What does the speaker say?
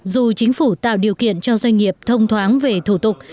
dù chính phủ tạo điều kiện cho doanh nghiệp thông thoáng về thủ tục